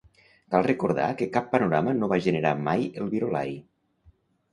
Cal recordar que cap panorama no va generar mai el "Virolai".